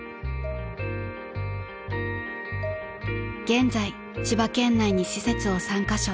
［現在千葉県内に施設を３カ所］